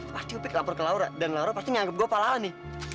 pasti upik lapor ke laura dan laura pasti nganggep gua pahala nih